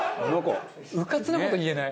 うかつな事言えない。